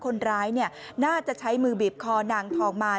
คนร้ายน่าจะใช้มือบีบคอนางทองมา